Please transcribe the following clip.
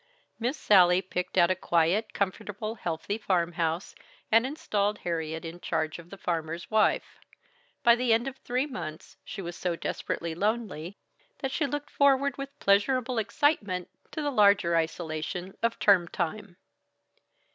Miss Sallie picked out a quiet, comfortable, healthy farmhouse, and installed Harriet in charge of the farmer's wife. By the end of three months she was so desperately lonely, that she looked forward with pleasurable excitement to the larger isolation of term time.